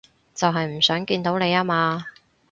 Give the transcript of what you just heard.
就係唔想見到你吖嘛